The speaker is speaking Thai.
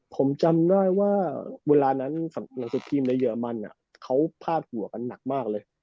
ผมจำได้ว่าเวลานั้นหนังสือพิมพ์ในเรมันเขาพาดหัวกันหนักมากเลย